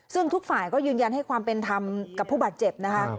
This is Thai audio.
ซึ่งทุกฝ่ายก็ยืนยันให้ความเป็นธรรมกับผู้บาดเจ็บนะคะ